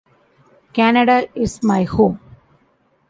Canada is my home.